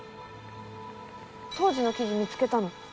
当時の記事見つけたの。